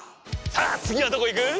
さあ次はどこ行く？